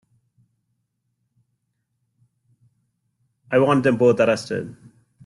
I want them both arrested.